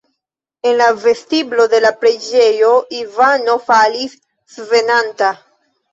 En la vestiblo de la preĝejo Ivano falis svenanta.